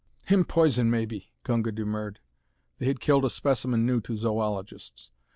"Him poison, maybe," Gunga demurred. They had killed a specimen new to zoologists.